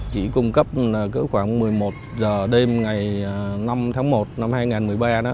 chỉ cung cấp cỡ khoảng một mươi một giờ đêm ngày năm tháng một năm hai nghìn một mươi ba đó